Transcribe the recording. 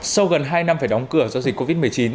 sau gần hai năm phải đóng cửa do dịch covid một mươi chín